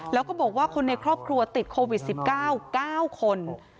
แล้วก็บอกว่าคนในครอบครัวติดโควิด๑๙๙คน